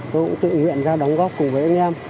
tôi cũng tự nguyện ra đóng góp cùng với anh em